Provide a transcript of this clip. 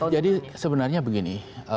jadi sebenarnya begini